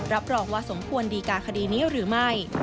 รับรองว่าสมควรดีการคดีนี้หรือไม่